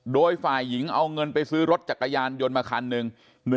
โดยฝ่ายหญิงเอาเงินไปซื้อรถจักรยานยนต์มาคันหนึ่ง